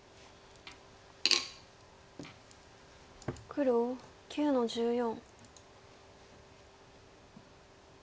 黒９の十四。